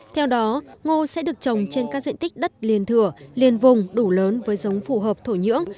theo đó ngô sẽ được trồng trên các diện tích đất liền thửa liên vùng đủ lớn với giống phù hợp thổ nhưỡng